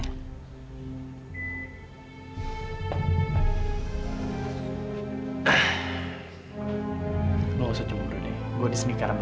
kenapa dengan ayah dan renyah sekarang